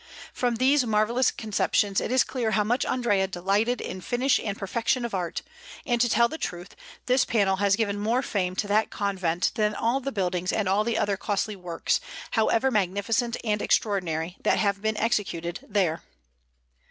From these marvellous conceptions it is clear how much Andrea delighted in finish and perfection of art; and to tell the truth, this panel has given more fame to that convent than all the buildings and all the other costly works, however magnificent and extraordinary, that have been executed there.